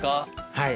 はい。